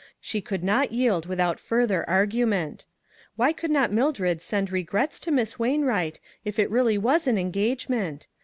She could not yield without further argument. Why could not Mildred send regrets to Miss Wainwright, if it really was an engagement